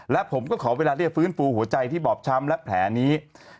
และผมก็ขอเวลาเรียกฟื้นฟูหัวใจที่บอบช้ำและแผลนี้